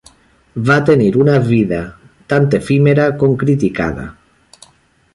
Va tenir una vida tant efímera com criticada.